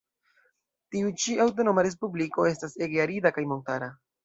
Tiu ĉi aŭtonoma respubliko estas ege arida kaj montara.